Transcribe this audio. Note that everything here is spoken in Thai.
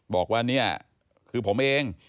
บอกว่าเนี่ยคือผมเอง